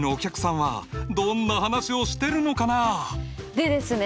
でですね